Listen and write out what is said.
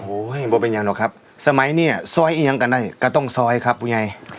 โอ้โหให้บทเป็นอย่างหรอกครับสมัยเนี้ยซอยเอียงกันได้ก็ต้องซอยครับคุณยาย